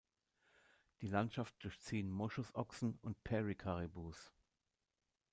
Die Landschaft durchziehen Moschusochsen und Peary-Karibus.